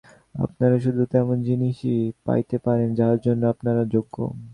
আপনারা শুধু তেমন জিনিষই পাইতে পারেন, যাহার জন্য আপনারা যোগ্য।